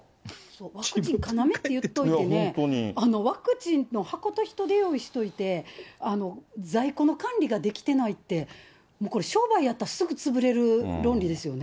ワクチン、要っていっておいてね、ワクチンの箱と人手を用意しといて、在庫の管理ができてないって、もうこれ商売やったらすぐ潰れる論理ですよね。